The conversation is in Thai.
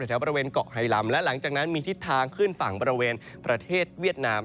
แถวบริเวณเกาะไฮลำและหลังจากนั้นมีทิศทางขึ้นฝั่งบริเวณประเทศเวียดนาม